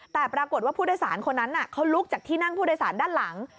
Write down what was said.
แต่ปรากฏว่าผู้โดยสารคนนั้นเขาลุกจากที่นั่งผู้โดยสารด้านหลัง